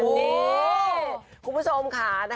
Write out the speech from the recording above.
นี่คุณผู้ชมค่ะ